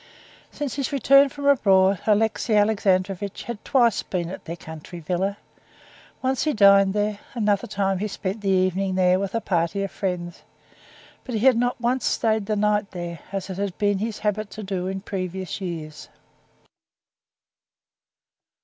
Since his return from abroad Alexey Alexandrovitch had twice been at their country villa. Once he dined there, another time he spent the evening there with a party of friends, but he had not once stayed the night there, as it had been his habit to do in previous years.